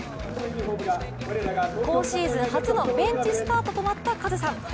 今シーズン初のベンチスタートとなったカズさん。